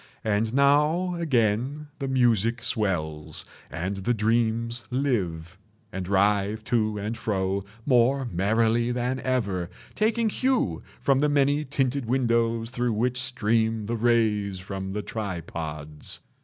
And now again the music swells, and the dreams live, and writhe to and fro more merrily than ever, taking hue from the many tinted windows through which stream the rays from the tripods.